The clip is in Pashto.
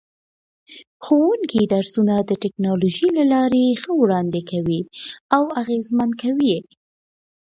ښوونکي درسونه د ټکنالوژۍ له لارې ښه وړاندې کوي او اغېزمنه کوي.